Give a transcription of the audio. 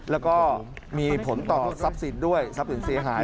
แล้วก็มีผลต่อทรัพย์สินด้วยทรัพย์อื่นเสียหาย